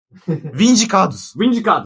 vindicados